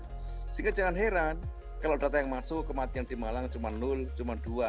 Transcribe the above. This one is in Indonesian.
sehingga jangan heran kalau data yang masuk kematian di malang cuma dua